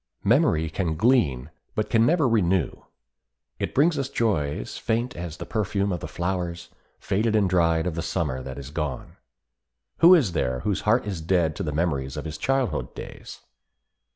Memory can glean, but can never renew. It brings us joys faint as the perfume of the flowers, faded and dried of the Summer that is gone. Who is there whose heart is dead to the memories of his childhood days?